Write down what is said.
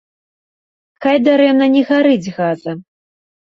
Хай дарэмна не гарыць газа.